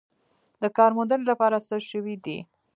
د کار موندنې لپاره څه شوي دي؟